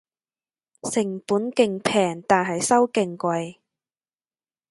成本勁平但係收勁貴